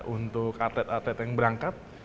untuk atlet atlet yang berangkat